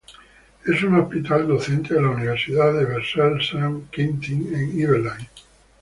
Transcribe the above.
Es un hospital docente de la Universidad de Versailles Saint Quentin en Yvelines.